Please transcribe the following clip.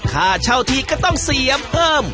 ค่าเช่าที่ก็ต้องเสียเพิ่ม